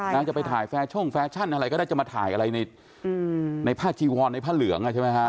น้องจะไปถ่ายแฟชั่งแฟชั่นอะไรก็ได้จะมาถ่ายอะไรในผ้าจีวอนผ้าเหลือง